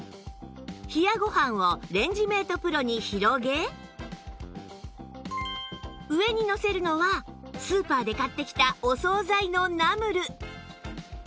冷やご飯をレンジメート ＰＲＯ に広げ上にのせるのはスーパーで買ってきたお総菜のナムル